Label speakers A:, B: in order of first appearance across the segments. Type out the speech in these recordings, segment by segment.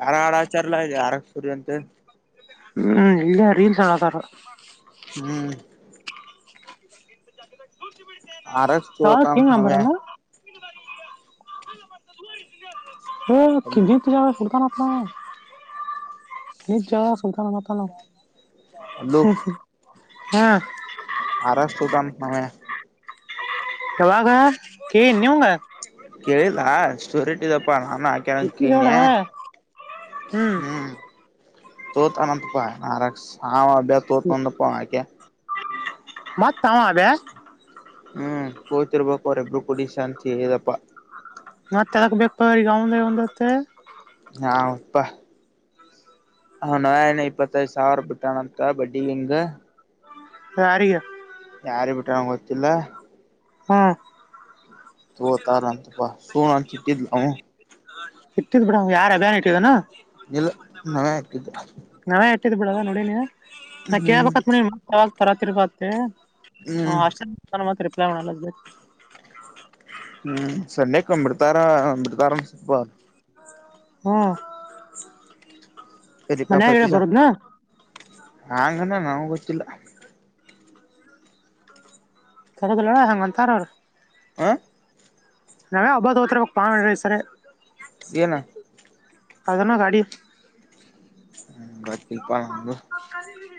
A: ಯಾರ ಹಡಾಚಾರಲದೆ ಆರ ಸೂರ್ಯಂತೆ
B: ಹ್ಮ್ ಇಲ್ಲ ರೀಲ್ಸ್ ಅಲ್ಲತಾರ
A: ಹ್ಮ್ ಆರ
B: ಯಾವ
A: ತುತ
B: ಕಿಂಗ್
A: ನವ
B: ನಂಬರಲ್ಲ ಹ
A: ಅಲ್ಲಿ
B: ಕಿದ್ದಿ ಪೂಜೆ ಸರ್ತಾನ ಹ ಎ ಜ ಸೌತ ನ ನತಲ್ಲ
A: ಅಲೋ
B: ಹ್ಮ್
A: ಆರಷ್ಟತದ ನಮೇ
B: ಕೆಲಾಗ [unintelligible]
A: ಕೇಳಿದಾ ಸ್ಟೋರಿ ಇಟ್ಟಿದಪ್ಪ ನಾನು ಹಾಕ
B: ಇಟ್ಟಿಗೌಡ
A: ಕೇಳನೆ ಹ್ಮ್ ತತ ಅನಂತಪಾಯ ಮಹಾರಗ ಸಾಮ ತೋತ ನ ಒನ್ನ ಪಾವಕ್ಕೆ
B: ಮತ್ತಮ್ಮ ಅದ
A: ಹ್ಮ್ ಪತರ್ಬಕ್ ಅವರ್ ಎಬ್ ಕುಡ ಶಾಂತಿ ಹೇಳದಪ್ಪಾ
B: ಮತ್ತೆ ಎದಕ್ ಬೇಕಪ ಈಗ ಅವಂದ ಒಂದತ್ತೆ
A: ಹಾ ಉಪ್ಪಾ ಹ ನ ನ ಇಪ್ಪತ್ತೈದು ಸಾವಿರ ಬಿಟ್ಟಣಂತ ಬಡ್ಡಿ ಹೆಂಗ
B: ಯಾರಿಗೆ
A: ಯಾರ ಬಿಟಂಗಗೆ ಗೊತ್ತಿಲ್ಲ
B: ಹ್ಮ್
A: ತ ತಾರಂತಪ್ಪಾ ಸು ನ ಚಿಟ್ಟಿದಲವು
B: ಇಟ್ಟಿದ್ ಬಿಡ ಯಾರು ಅಭಿಯಾನ ಇಟ್ಟಿದಾನ
A: ಇಲ್ಲ ನವೇ ಆಗ್ತಿದ್ದ
B: ನಾವೇ ಇಟ್ಟಿದ್ ಬಿಡದ ನೋಡಿನಿ ನಾ
A: ಹ್ಮ್
B: ಕೇಕತ್ ನೋಾಗ ತರಾತಿರ್ ಬತ್ತತಿ ಹ
A: ಹ್ಮ್
B: ಅಷ್ಟಾನ ಮ ರರಿಪ್ಲಯ ಮಾಡಣ ಲ
A: ಹ್ಮ್ ಸನ್ನೆ ಕ್ಬಿಡ್ತಾರ ಬಿಡ್ತಾರ ಸ್ಲ್ಪ
B: ಹಾ ಮನ್ಯಾಗ ಹೇಳ ಬರೋದ್ನಾ
A: ಹಂಗಣ ನಾವ್ ಗೊತ್ತಿಲ್ಲ
B: ಸರಿಲ್ಲ ಹೆಂಗ ಅಂತಾರ ಅವ್ರ
A: ಹ
B: ನಾವೇ ಹಬದು ಹೋತ್ರ ಹಕ್ ಪಾರ ಸರಿ
A: ಏನು
B: ಅದನ ಗಾಡಿ
A: ಗೊತ್ತಿಲ್ಪ ನಂಗು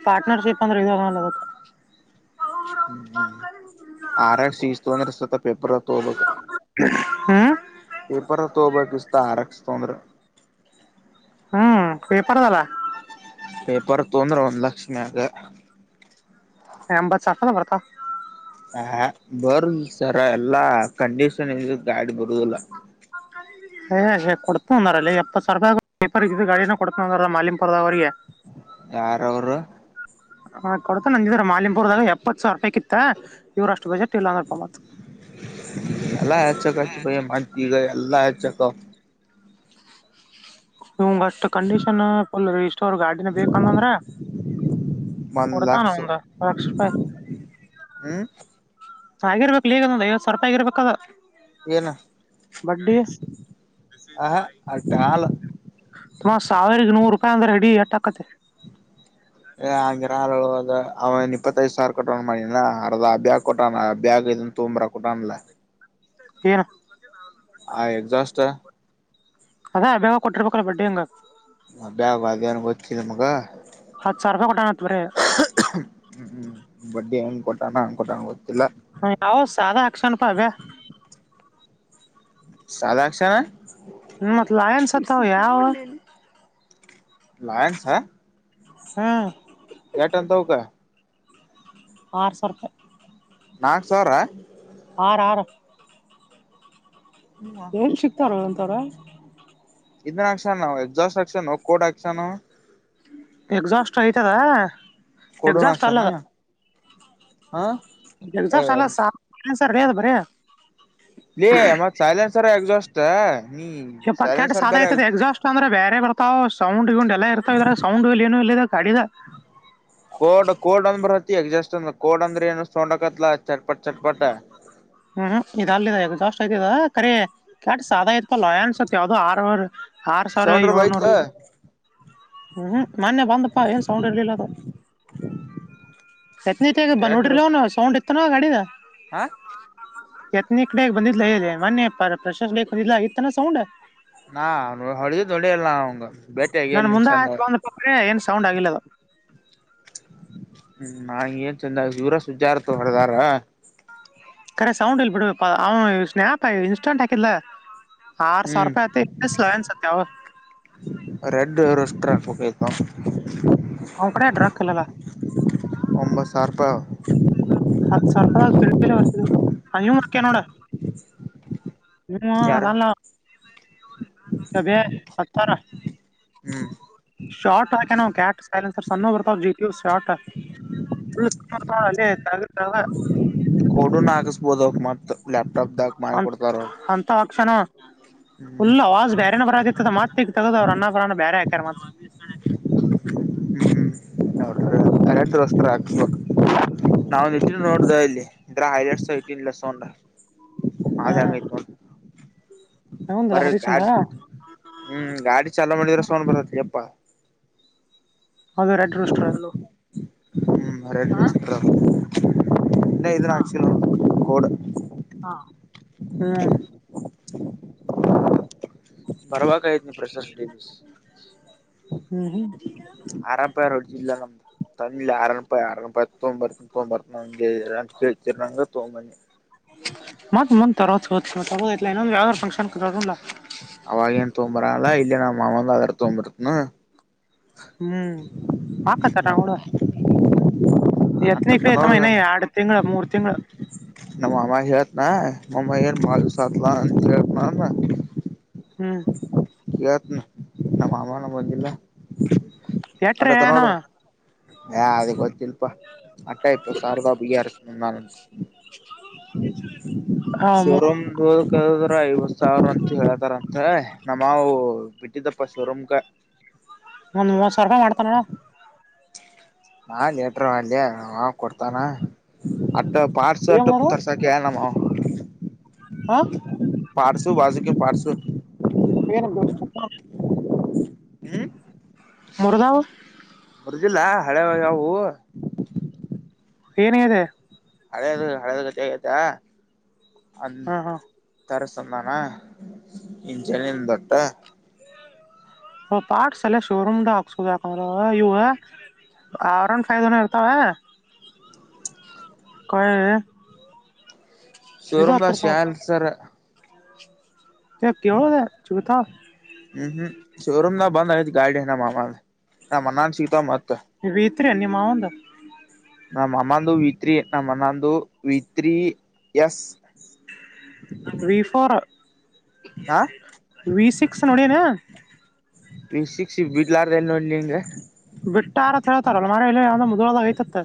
B: ಪಾರ್ಟನರ್ಶಿಪ್ ಪಂದ್ರ ಹುತ್ತ
A: ಹ್ಮ್ ಹ್ಮ್ ಆರಾಚೆ ಈ ಸತೊಂದರ ಸ್ುತ್ತ ಪೆಬ್ರವರಿ ತೊಳ
B: ಹ್ಮ
A: ಪೇಪರ್ ತ ಬಕಿಸತಾ ಆರಕ್ ಸ ತೋಂದ
B: ಹ್ಮ್ ಪೇಪರ್ದಲ್ಲ
A: ಪೇಪರ್ ತೊಂದ್ರೆ ಒಂದ್ ಲಕ್ಷ ಮ್ಯಾಗ
B: ಎಂಬತ್ತು ಸಾವಪನ ಕೊರ್ತಾ
A: ಹ ಬರ ಸರ ಎಲ್ಲಾ ಕಂಡೀಷನ್ ಇ ಗಾಡಿ ಬರುದಲ್ಲ
B: ಹಯ್ಷೇ ಕೊಡ್ತು ಅಂದಾರಲ್ಲ ಎಪ್ಪತ್ತುಾವರ ರೂಪಾಯಿ ಪೇಪರ್ು ಗಾಡಿನ ಕೊಡ್ತುಂದಾರಲ್ಲ ಮಾಲಿಮಪುರದವ್ರಿಗೆ
A: ಯಾರ ಅವರು
B: ಹಾ ಕೊಡ್ತ ನಂದಿದ್ರ ಮಾಲಿನ್ಪುರದಾಗ ಎಪ್ಪತ್ ಸಾವಿ ರೂಪಾಯಿತ್ತ ಇವ್ರಷ್ಟು
A: ಎಲ್ಲ ಯಕ ಮಾಡತಿಗ ಅಲ್ಲಾ ಯಕ
B: ಇವಂಗ ಅಷ್ಟ್ ಕಂಡೀಷನ್ಫಲ್ ಇಷ್ಟ ಫುಲ್ ಗಾಡಿನ ಬೇಕಂತಂದ್ರ
A: ಒಂದ್
B: ಕೊಡತಾನ
A: ಲಕ್ಷ
B: ಹ ಲಕ್ಷ ರಪಾಯ
A: ಹ್ಮ್
B: ಆಾಗಿರ್ಬೇಕಕ್ ಈಗ ಅದವ ಸ್ವರ್ಪಗಿರ್ಬೇಕ ಅ
A: ಏನ
B: ಬಡ್ಡ್ಡಿ
A: ಆಹ ಅಟ್ಟ ಹಾಲ
B: ತುಂಬಾ ಸಾವಿರ ನೂರು ರೂಪಾಯಿ ಅಂದ್ರೆ ರಡಿ ಎಟಾಕತೆ
A: ಏ ಹಂಗಗೆರ ಅವನ್ ಇಪ್ಪತ್ತೈದ ಸಾವರ ಕೊಟ್ಟಣ ಮಾಡಿನ ಅರ್ದ ಬ್ಯಾಗ್ ಕೊಟ್ಟಣ ಬ್ಯಾಗ್ ತೋಂಬ್ರ ಕೂಟ ಆಲ
B: ಹೇರ
A: ಆಯ ಜಾಸ್ತ
B: ಅದಾ ಬೇಗ ಕೊಟ್ಟಿರ್ಬೇಕಲ್ಲ ಬಡ್ಡಿ ಹಂಗ
A: ವಕಿ ನಮ್ಗೆ
B: ಹತ್ತು ಸಾರ್ ರಪಾಯಿ ಕೊಟ್ಟಣತ್ ಬ್ರ
A: ಹ್ಮ್ ಬಡ್ಡಿ ಅಂಗ್ ಕೊಟಾನ ಅಂಗ್ ಕೊಟಣ ಗೊತ್ತಿಲ್ಲ
B: ಹ ಯಾವ ಸಾದಾ ಅಕ್ಷಣ ಪಾವ್ಯಾ
A: ಸಾಲ ಆಕ್ಷಣ
B: ಮತ್ತಲಾಯನ್ ಸತ್ತ ಯಾವಾವ
A: ಲಾಯನ್ಸ್ ಹ
B: ಹ್ಮ
A: ಯಟಂತ ಹ ಕ
B: ಆಾರ ಸೊ ರೂಪ.
A: ನಾಕ್ಸವ್ರ
B: ಆರ ಆರ ಏನ್ ಸಿಕ್ತಾರ ಒಂತಾರ.
A: ಇದನ್ಾಕ್ಷಣ ನವು ಎಕ್ಸಾಸ್ಟ್ ಆಾಕ್ಷನ್ ಕೋಡ್ ಹಾಕ್ಕ್ಷಾನ.
B: ಎಕ್ಸಾಸ್ಟ್ ಆಯ್ತದಾ.
A: ಕೊಡನ್
B: ಎಗ್ಸ್ಯಾಟ್ ಅಲ್ಲ
A: ಹಾಕ್ಸನ
B: ಅದ್
A: ಹ ಏ
B: ಎಗ್ಸಾ್ಟ ಅಲ್ಲ ಸ. ಸರಿದು ಬರಯ.
A: ಇ ಮತ್ ಸಯ್ಲಾನ್ಸರ್ ಎಗ್ಸ್ಯಾಟ್ಸಾ
B: ಇ ಪ ಕೆಟ್ಟಟ್ ಸಾಾದ ಆಐತದೆ ಎಕ್ಸಾಸ್ಟ್ ಅಂದ್ರೆ ಬೇರೆ ಬರ್ತಾವ ಸೌಡ್ ಎಲ್ಲ ಇರ್ತಾವ ಇದ್ರ ಸೌ್ಡ್ ಇಲ್ಲಿ ಏನು ಇಲ್ಲ
A: ಕೋಡ್ ಕೋಡ್ ಅಂದ ಬರತಿ ಎಗ್ ಜಸ್ಟ್ ಅಂದ ಕೋಡ್ ಅಂದ್ರೆ ಏನ ತೊಂಡಕತ್ಲ ಚಟ್ಪಟ್ಟ
B: ಹ್ಮ್ ಇದು ಅಲ್ಲಿದೆದು ಜಾಸ್ಟ್ ಆಯ್ತು ಕರಿ ಕ್ಯಾಟ್ ಸಾಾದಯತ್ಕ ಲಯ ಅನ್ಸತ್ ಯಾವ್ದೋ ಆರ್ ಆರ್ ಸಾವಿರದ
A: ಸೌಂಡ್ರ ಬೈತ್ಲ
B: ಏಳ್ನೂರು ಹ್ಮ್ ಮೊನ್ನೆ ಬಂದಪಾ ಏನ್ ಸೌಂಡ್ ಇರ್ಲಿಲ್ಲ ಅದು ಎತ್ನೈತೆ ಈಗ ಬಂದ ನೋಡ್ರಿಿಲ್ಲವ ಸೌಂಡ್ ಇತ್ತು ನ ಗಡಿದ
A: ಹಾ
B: ಎತ್ನೇ ಕಡೆ ಬಂದಿದಲ ಇದೆ ಮೊೆ ಪ ಪ್ರಶಸ್ಂದಿಲ್ಲ ಈತನ ಸೌಂಡ್
A: ನಾ ಅವ ಹೊಳಿದ ತೊೊಂಡಿ ಇರಲ್ಲಾ ಅವಂಗ ಬೇಟೆ ಆಗಲ್ಲ
B: ನಾನ್
A: ನೀನ್
B: ಮುಂದೆ
A: ಚಂದ
B: ಹ
A: ಹ್ಮ್
B: ಬಂದ್ರೆ ಏನ್ ಸೌಂಡ್ ಆಗಿಲ್ಲ ಅದು
A: ಹ್ಮ್ ನಾಂಗ ನ್ ಚಂದ ಇವರ ಸುಜಾರತ ಹೊರದಾರ
B: ಕರೆ ಸೌಂಡ್ ಇಲ್ ಬಿಡ್ ಅವ ಸ್ನ್ಯಪ್ ಇನ್ಸ್ಟಾಂಟ್ ಹಾಕಿದಲ ಆಾರ ಸಾವ
A: ಹ್ಮ್
B: ರೂಪಾಯತ್ತ ಲನ್ಸತ್ಯವ
A: ಬೇಕ
B: ಅವ್ನ ಕಡೆ ಡ್ರಗ್ ಇಲ್ಲಲ್ಲ
A: ಒಂಬತ್ತು ಸಾವಿರ ರೂಪಾಯ [inaudible] [unintelligible]
B: ಹತ್ತು ಸಾವಿರ ರೂಪಾಯಗ್ ತಿಳಿಲ್ಲ ಬರ್ತ ಅೂಕ್ಯ ನೋಡ ನಿಮ್ಮ
A: ಯಾರ
B: ಅದಲ್ಲ ಸಬ ಹತ್ತಾರ
A: ಹ್ಮ್
B: ಶಟ್ ಹೊ ಕನ ಕೆ್ಯಾ ಸೈಲೆನ್ ಸರ್ ಸಣ್ಣ ಬರ್ತಾವ ಜಿಟ ಶಾರ್ಟ
A: ಕೊಡನ್ ಹಕಸ್ಬೋದವಕ ಮತ್ ಲ್ಯಾಪ್ಟಾಪ್ದಾಗ ಮಾಡಿ
B: ಅ
A: ಕೊಡ್ತಾರ ಅವ್ರು
B: ಅಂತ ಅಕ್ಷಣ
A: ಹ್ಮ್
B: ಉುಲ್ಲ ಅವ ವಾಜ್ ಬೇರೆನ ಬರ ಆ ಇತ್ತದ ಮತ್ತೆಗ ತಗದಾವ ಅನ್ನರ ಬೇರೆ ಆಗ [unintelligible]
A: ಹೌ ಅಲಟ್ ರೋಸ್ತ್ರರ ಹಾು ನಾವ ಎಷ್ಟ ನೋಡ್ದ ಇಲ್ಲಿ ಇದ್ರ ಹೈಲೈಟ್ ಐನ್ಲ್ಲ ಸೌಂಡ್
B: ಹಾ
A: ಮಾದಾಮ
B: ಹೌದಲ್ಲ
A: ಬರ
B: ಹರಿಶ್ಚಂದ್ರ
A: ಗಾಡಿ ಹ್ಮ್ ಗಾಡಿ ಚಾಲಾ ಮಾಡಿದ್ರ ಸೌಂಡ್ ಬರತ್ ಎಪ್ಪಾ
B: ಅದರ ಅಡ್ರಸ್ಟೆಲ್ಲು
A: ಮರ ಚತ್ರ ಇಲ್ಲ
B: ಹಾ
A: ಇದು್ರಾಕ್ಷ ಕೋಡ್
B: ಹಾ ಹ್ಮ್
A: ಬರವ ಕಯ ನೀ ಪ್ರೆಸರ್ ಡೆನಸ್
B: ಹ್ಮ್ ಹ್ಮ್
A: ಅರಪೇರೋಡ ಇಲ್ಲ ನಮ್ದ ತಮ್ಮಿ ಯಾರಪ್ಪ ಆರಪ್ಪ ತೋಂಬತ್ತನ ತೋಂಬರನ ಅ ಕಳ್ ತೋಂಬನಿ
B: ಮತ್ತ ಮನ್ ತರೊ ಇಲ್ಲ ಇನ್ನೊಂದು ಯಾರೋಂದು ಫಂಕ್ಷನ್ ತಗಲ
A: ಲ್ಲ ಇಲ್ಲ ನಾ ಮಾವಂದ ಅದರ ತಂಬರುತ್ತನ
B: ಹ್ಮ್ ಪಾಕ ತರ
A: ನಮ್ಮ
B: ಅವಳ ಎತ್ನ
A: ಅಂತಂತ
B: ಕ ತಮ್ಮನ ಎರಡು ತಿಂಗಳುಳ ಮೂರ್ ತಿಂಗಳು
A: ನ ಮಾಮಾ ಹೇಳಳ್ತ ನ ಮಾಮ್ಮಾ ಹೇಳ ಬಾಳದಿಸ ಅ ಹೇಳತ ನ
B: ಹ್ಮ್
A: ಇತ್ ನದ ನಮ್ಮವನು ಬಂದಿಲ್ಲ
B: ಎಟ್ರೆ ಏನು
A: ಅದಕ್ಕೆ ಗೊತ್ತಿಲ್ಲಪ್ಪ ಅಟಾ ಇಪ್ಪ ಸಾರದಾ ಬ್ಯನಂದಾನ
B: ಹ
A: ಶೋರೂಮ್ ಓದಕ್ಕೆದ್ರ ಐವತ್ ಸಾವಿರ ಅಂತ ಹೇಳಕ್ ತರಂತ ನಮ್ಮವು ಬಿಟ್ಟಿದ್ದಪ್ಪ ಶೋರೂಮ್
B: ಒಂದ್ ಸಾವಿ ರೂಪಾಯ ಮಾಡ್ತ ನೋಡ
A: ನಾ ಲಟರ್ ಮಾವ ಕೊಡ್ತಾನ ಅಟ್ಟ
B: ಏನ್
A: ಪಾರ್ಸಟ್ಟ
B: ಮಾಡು
A: ತರ್ಸಕ್ಕೆ ನಮ್ಮ
B: ಹಾ
A: ಪಾರ್ಸು ಬಾಸುಕ್ಕೆ ಪಾರ್ಶವ
B: ಹನ್ದು [unintelligible]
A: ಹ್ಮ
B: ಮರುಗಾಾವ
A: ಬರೆದಿಲ್ಲ ಹಳೆದಾಗ ಅವು
B: ಏನಿದೆ
A: ಹಳೆದು ಹಳೆದ ಗ ಆಗತಾ ಅಂದ
B: ಹಾ ಹಾ
A: ತರಸ ಂತಾನ ಇ ಜನಿ ತಟ್ಟ
B: ಪಾ್ಟ್ಸ್ ಎಲ್ಲ ಶೋರೂಮ್ ದ ಹಾಕ್ಸುದು ಯಾಕಂದ್ರೆ ಇವು ಆರ್ ಒನ್ ಫೈವ್ ನವ ಇರ್ತವ ಕಾಯ
A: ಶೋರಮದ ಶಲ್ ಸರ್
B: ಕೇಳೋದ ಸಿಗುತ್ತಾವ
A: ಹ್ಮ್ ಹ್ಮ್ ಶೋರೂಮದ ಬಂದ ಆ ಗೈಡ್ ನಮ್ಮ ಮಾಮಾ ನಮ್ಮ ಅನ್ನನ್ ಸೀತ ಮತ್ತ
B: ವಿ ಭತ್ರಿ ಅ ನೀಮ್ಮವುಂದ
A: ನಮ್ಮ ಅಮ್ಮಂದು ವಿತ್ರಿ ನಮ್ಮ ಅನ್ನಂದು ವಿತ್ರಿ ಎಸ್
B: ವಿ ಫೋರ್
A: ಹ
B: ವಿ ಸಿಕ್ಸ್ ನೋಡಿ ಏನು
A: ಸಿಕ್ಸ್ ಬಿಡ್ಲಾರ್ದನ್ ನೋಡಿ ನಿಂಗೆ
B: ಬಿಟ್ಟಾರತ್ ಹೇಳ್ತಾರಲ್ ಮರ ಮುದ್ಳದಾಗ ಯತತ್ತ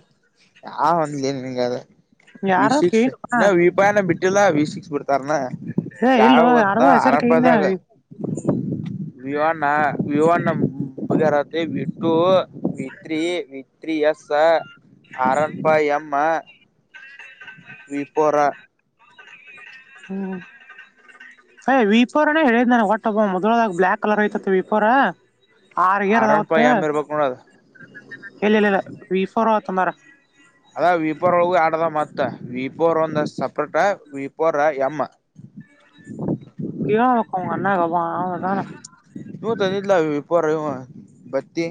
A: ಹಾ ಒಂದಲೇನ್ ನಿನ್ಗೆ ಅ ವಿ
B: ಯಾರ
A: ಸಿಕ್ಸ್
B: ಕೈನ್ ಹಾ
A: ಇನ್ನ ವಿಪಾಯನ ಬಿಟ್ಟಿಲ್ಲ ವಿ ಸಿಕ್ಸ್ ಬಿತ ತರ್ನ
B: ಏ ಇಲ್ಲ
A: ಯಾವಾಗತ್ತ ನ
B: ಯಾರ್ದೋ ಹೆಸರು ಕೈನ
A: ಆರಭದಾಗ ವಿವಾ ನ ವಿವಣಂ ಉಪಗರತೆ ಬಿಟ್ಟು ವಿತ್ರಿ ವಿತ್ರಿಯ ಸ ಅರನ್ಪಾ ಮ್ಮ ವಿಫೋರ
B: ಹ್ಮ್ ಯ್ ವಿಪರನೇ ಹೇಳಿದ ನನ ಹೊಟ್ಟಬ ಮ [unintelligible] ದಾಗ ಬ್ಲಯಾಕ್ ಕಲರ್ ಐತತಿ ವಿಪೋರ ಆರ್ಗರ್
A: ಆರ್
B: ಅದ
A: ಒನ್
B: ಅವತ್
A: ಫೈವ್ ಎಂ ಇರ್ಬೇಕ್ ನೋಡದು
B: ಇಲ್ಲ ಇಲ್ಲ ಇಲ್ಲ ವಿಫೋರ್ ತ ಮಾರ
A: ಅದ ವಿಪೋರ್ ಒಳಗ ಆಡದ ಮತ್ತ ವಿಪೋರ್ ಒಂದ ಸಪ್ರೇಟ ವಿಪೋರ್ ಎಮ್ಮ [inaudible]
B: ಕೆಕಂಗನಾ ಹ ಬ ಹ ತಾನ [unintelligible]
A: ನೀವು ತಂದಿದಿಲ್ಲ ಪರ ಬತ್ತಿ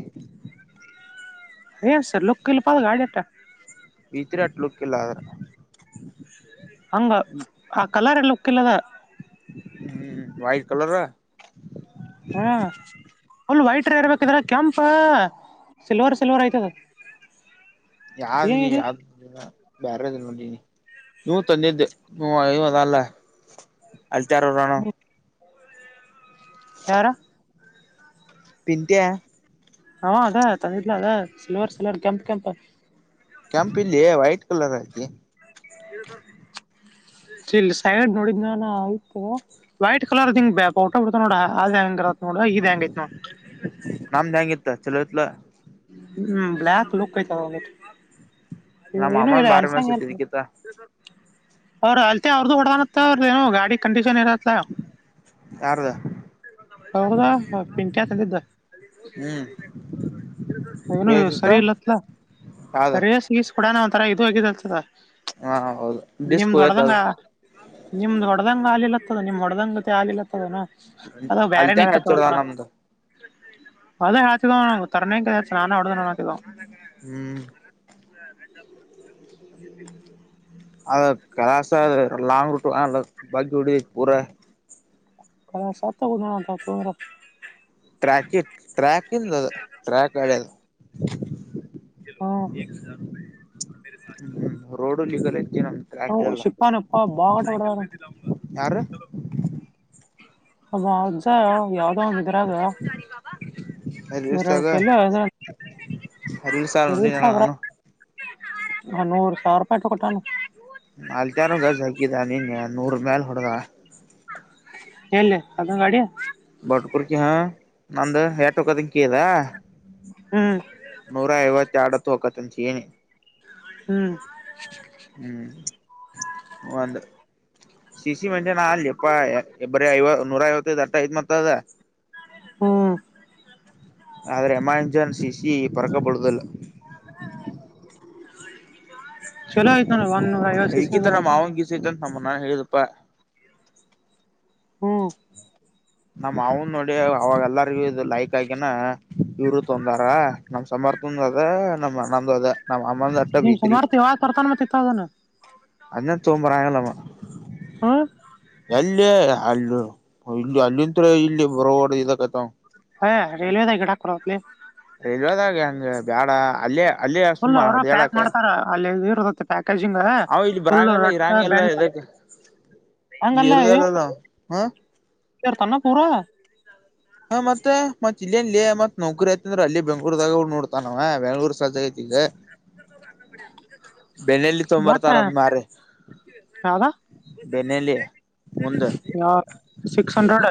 B: ಹ ಸರ್ ಲ ಕಲ್ಲಿ ಪಲ್ ಗಾಡಿಟ
A: ವಿಚರಾಟ್ಲು ಕಲ್ಲ ಅರ [unintelligible]
B: ಹಂಗ ಆ ಕಲರ್ ಎ ಲುಕ್ ಇಲ್ಲದ
A: ಹ್ಮ್ ವ್ಟ್ ಕಲರ್
B: ಹ್ಮ ಅಲ್ ವೈಟ್ರ ಇರ್ಬೇಕಿದ್ರ ಕೆಂಪ ಸಿಲ್ವರ್ ಸಿಲ್ವರ್ ಆಯ್ತದ
A: ಯ್ದ ನೀ ಯ್ದ ನೀ ಬೇರೆದು ನೋಡನಿ ನೀವು ತಂದಿದ್ದೆದ ಅಲ್ಲ ಅಲ್ಲಿತರರನ
B: ಯಾರ
A: ಪೀಂತ್ಯ
B: ಹ ಅದ ತಂದಿರ್ಲ ಅದ ಸಲ್ವರ್ ಸಲ್ವರ್ ಕೆಂಪ್ ಕೆಂಪ [unintelligible]
A: ಕೆಂಪ ಇಲ್ಲಿ ವೈಟ್ ಕಲರ್ ಆತಿ
B: ಇಲ್ ಸೈಡ್ ನೋಡಿದ ನಾನ ಆಯತೇವ ವೈಟ್ ಕಲರ್ಗ್ ಬ್ಯಾ ಊಟ ಬಿಡ್ತ ನೋಡ ಅ ಆದ್ ಹೆಂಗರ ನೋಡ ಇದ್ ಹೆಂಗೈಐತ್ ನ
A: ತಚ್ಚಲೋಟ್ಲ
B: ಹ್ಮ್ ಬ್ಲಕ್ ಲಲುಕ್ ಕತ ಒ
A: ನಮ್ಮ
B: ಏನುೂ ಇ
A: ಮಾಮನ್ ಬಾರಿ
B: ಅನ್ಸಂಗ
A: ಮಸ್ತ್ ಐತಿ ಇದಕ್ಕಿತ್ತ
B: ಹಲ್ತ ಔದು ಉಡಾನಾ ಏನು ಗಾಡಿ ಕಂಡೀಷನ್ ಇರತ
A: ಯಾರ್ದ
B: ಹೌದಾ ಪಿಂಕ್ಯಾತಂದಿದ್ದ
A: ಹ್ಮ್
B: ಏನು
A: ಏನತಿತ್ತ
B: ಸರಿ ಇಲ್ಲತ್ಲ
A: ಯಾವ್ದ
B: ರರಿ ಸಿಗಸ್ಕಡಾನ ಒಥರ ಇ ಹಗಿದತದ
A: ಹಾ ಹೌದು ಡಿಸ್ಕ್
B: ನಿಮ್ದ
A: ಹೋಗೇತ್
B: ದೊಡ್ದಂಗ
A: ಅದು
B: ನಿಮ್ದ ದೊಡ್ದಂಗ ಆಲಿಲ್ಲ ಇತದ ನಿಮ್ ಹೊಡ್ದಂಗ ಗೊತ್ತ ಆಾಲಿಲ್ಲತ್ತದನು ಅದ ಬೇರೆೇಏನ್
A: ಅಲ್ತಾರ
B: ಇತ್ತತ್
A: ಹಚ್ಚೋಡ್ದ
B: ಒಂಥರ
A: ನಮ್ದು
B: ಅದ ಹ ತರಣ ನಾನಾ ಅವಡ ನಾದ
A: ಹ್ಮ್
B: [inaudible]
A: ಅದ ಕಲಾಾಸ ಲಾಂಗ್ ರೂಟ್ ಅಲ್ಲ ಬಕಿ ಹೊಡ ಪೂರ [unintelligible]
B: ಕ ಸತ್ತ ಕೊಂದಂಟ ತರ [unintelligible]
A: ಟ್ರ್ಯಾಕ ಟ್ರ್ಯಾಕ ಇಿಂದ ಅದು ಟ್ರ್ಯಾಕ್ ಅದು [unintelligible]
B: ಹೂಂ
A: ರೋಡ್ ನಿಗಲ [unintelligible]
B: ಹ ಸಿಪ್ಪ ನಪ್ಪ ಬಟ
A: ಯಾರು
B: ಅ ಅಜ್ಜ ಯಾವ ದರದು ರಡು ಪಲ್ಲ
A: ಅರಿಲ್ಲ ಸಾರ ನಡಿ ನ ನಾನು
B: ಸಾನು ಚಾರ್ಪಾಯಟು ಕಟ್ಟಾನ
A: ನಲ್ತಾನಗ ಝಕಿದಾನನ್ಯ ನೂರು ಮೈಲ್ ಹೊಡೆಗ
B: ಎಲ್ಲಿ ಅದಂಗಾಡಿ
A: ಬಟ್ ಕುರ್ಕಿ ಹಾ ನಂದು ಟುಕ್ಕದಂ ಕದಾ [unintelligible]
B: ಹ್ಮ್
A: ನೋರ ಐವತ್ತೆರಡುತ್ತು ಕತ್ಲಿಚೈನ್.
B: ಹ್ಮ್.
A: ಒಂದ. ಸಿಸಿ ಮೆಂಜೆನ ಅಲ್ಲಿ ಎಪ್ಪಾ ಬರ ಐವ ನೂರ ಐವತ್ತೈದು ಅಟ್ಟ ಐತ್ ಮತ್ತದ.
B: ಹ್ಮ್.
A: ಆದರೆೆ ಅಮ್ಯಾಂಜಾನ್ ಸಿಸಿ ಪರಕಬಡುದಲ್ಲ.
B: ಚಲೋ ಐತ್ ನೋಡ ಒಂದ್ ನೂರ ಐವತ್ ಸಿಸಿ
A: ಈಗಿತ ನಮ್ಮ
B: ಹ್ಮ್
A: ಮಾವನ್ ಗೀಸಐತಂತ ನಮ್ಮ ನಾನ್ ಹೇಳಿದಪ್ಪ.
B: ಹ್ಮ್.
A: ನಮ ಅವನ್ ನೋಡಿ ಅವಾಗೆಲ್ಲರಿಗೂ ಇ ಲೈಕ್ ಆಗ್ಯನಾ. ಇವರು ತೊಂದಾರ ನಮ್ ಸಮರ್ಥನ್ದ ಅದ ನಮ್ ಆನಂದ ಅದ. ನಮ್ಮ ಅಮ್ಮಂದ ಅಟ
B: ನಿಮ್
A: ಬತ್ರಿ.
B: ಸಮರ್ಥ ಯಾವಾಗ ತರ್ತಾನ ಮತ್ತಿತ್ತ ಅದನ್ನ
A: ಅನ್ನ ತೋಂಬರ ಆಲ್ಲಾಮ.
B: ಹ.
A: ಇಲ್ಲ ಅಲ್ಲಿ ಇ ಅಲ್ಲಿತ್ ಇಲ್ಲಿ ಬರ ಇದಕತ.
B: ಹಯ ರೇಲ್ವೆದ ಈಗ ಡಾಕರಾವತಲಿ.
A: ಇದಾಗ ಹಂಗ ಬ್ಯಾಡ ಅಲ್ಲೇ ಅಲ್ಲೇ
B: ಫುಲ್
A: ಸುಮ್ಮ ಹೊಡದ್ಯಾಡಕ್ಕ.
B: ಕಸಂಗ ಫುಲ್ಲು
A: ಬರಂಗಲ್ಲ
B: ರೊಟ್ಟ
A: ಇರಂಗಲ್ಲ
B: ಬೆಂಡ.
A: ಇದಕ್ ಇಲ್ಲಿ
B: ಹಂಗಲ್ಲ
A: ಇರುದಲ್ಲಲ್ಲ ಹ
B: ಇರ್ತಾನ ಪೂರಾ [unintelligible]
A: ಹಾ ಮತ್ತತ್ ಇಲ್ಲಿಲ್ಲಿ ಮತ್ ನೌಕರಿ ಆಯ್ತ ಅಂದ್ರ ಅ ಬೆಂಗಳೂರ್ದಾಗ ನೋಡ್ತಾನ ನ್ ಬ ಬೆಂಗಳೂರು ಸಜ ಐತಿ. ಇಲ್ಲ [unintelligible]
B: ಬಟ್ಟ
A: ತೊಂಬರ್ತಾರ ಅದ್ ಮಾರಿ
B: ಹದಾ [inaudible]
A: ಬೆನ್ನಲಿ ಮುಂದ
B: ಹ ಸಿಸ್ ಹಂಡ್ರೆಡ್.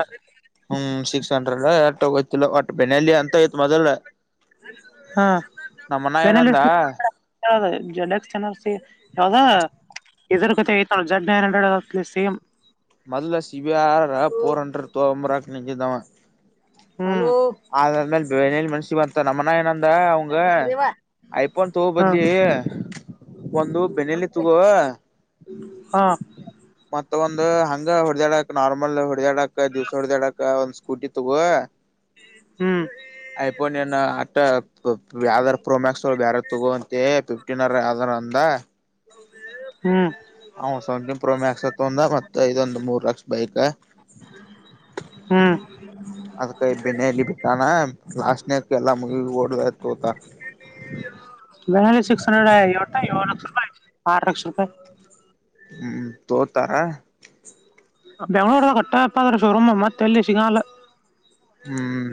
A: ಹ್ಮ್ ಸಿಕ್ಸ್ ಹಂಡ್ರೆಡ್ ಎಯ್ತಿ ಒಟ್ ಬೆನಾಲಿ ಅಂತಯತ್ ಮೊದಲ್.
B: ಹಾ
A: ನಮ್ಮನ ಏನಂದ
B: ಬೆನಲ್ಲಿಷ್ಟ. ಯ ಜಡಕ್ ಚೆನ ಯಾವದಾ. ಇದ್ರ ಕತೆ ಐತ ಜಡ್ ನೈನ್ ಹಂಡ್ರೆಡ್ ಸೇಮ್.
A: ಮೊದಲ ಸಿಬಿಆರ್ ಪೋರ್ ಹಂಡ್ರ ತೋಂಬ್ರಾಕ ನಿಜದಾವ.
B: ಹ್ಮ್
A: ಅಾದ್ಮೇಲೆ ಮನ್ಸಿಗೆ ಬರ್ತ ನಮ್ಮನ ಏನ. ಅವಂಗ
B: ರೇವಾ
A: ಐಫೋನ್ ತಗ
B: ಹಾ
A: ಬದ್ಲಿ. ಒಂದು ಬೆನಲಿ ತಗೋುವ.
B: ಹಾ
A: ಮತ್ತ ಒಂದು್ ಹಂಗ ಹೊಡೆದ್ಯಾಡ ನಾರ್ಮಲ್ ಹೊ. ಹೊಡದ್ಯಾಡಕ್ಕ ದಿವ್ಸ ಹೊಡ್ದ್ಯಾಡಕ್ಕ ಒಂದ್ ಸ್ಕೂಟಿ ತಗೋವ.
B: ಹ್ಮ್
A: ಐಫೋನ್ ಆತ್ತ. ಯಾವ್ದಾರ ಪ್ರೋಮ್ಯಾಕ್ಸ್ ಬ್ಯಾರ ತಗೋಂತೆ ಫಿಫ್ಟೀನ್ರ್ ಯಾವ್ದ ಅಂದ.
B: ಹ್ಮ್
A: ಹ ಸೆವೆಂಟನ್ ಪ್ರೋ ಮ್ಯಾಕ್ಸ್ ಅ ತೊಂದ ಮತ್ತ ಇದೊಂದು ಮೂರ್ ಲಕ್ಷ ಬೈಕ್.
B: ಹ್ಮ್.
A: ನ ಲಸ್ಟ್ ನ ಕಲ್ಲ ಮು ಓಡಯ.
B: ಬೆನಾಲಿ ಸಿಕ್ಸ್ ಹಂಡ್ರೆಡ್ ಟ ಏಳು ಲಕ್ಷ ರೂಪಾಯಿ ಆರು ಲಕ್ಷ ರೂಪಾಯಿ.
A: ಹ್ಮ್ ತೋತಾರ.
B: ಬೆಂಗಂಳೂರ್ದ ಕಟ್ಟಪ್ಪ ಅ್ರ ಶೋರೂಮ್ ಮತ್ತೆ ಎಲ್ಲಿ ಶಿಂಗಾಲ.
A: ಹ್ಮ್.